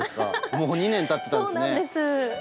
もう２年たってたんですね。